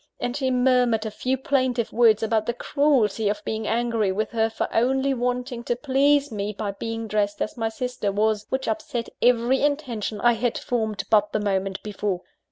and she murmured a few plaintive words about the cruelty of being angry with her for only wanting to please me by being dressed as my sister was, which upset every intention I had formed but the moment before.